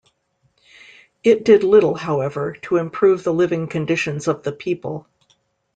It did little, however, to improve the living conditions of the people.